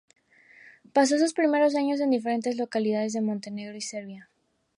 Pasó sus primeros años en diferentes localidades de Montenegro y Serbia.